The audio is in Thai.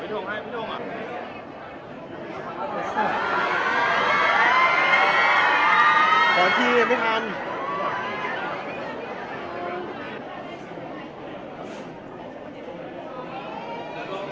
น้องน้องจะพูดหนึ่งนะครับร่างกายสูงรุ่นเสียงแรงนะครับ